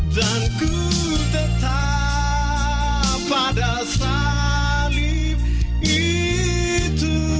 dan ku tetap pada salib itu